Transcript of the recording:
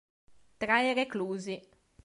Tra i reclusi.